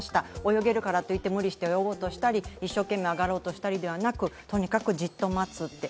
泳げるからといって無理して泳ごうとしたり、一生懸命上がろうとしたりではなくとにかくじっと待つって。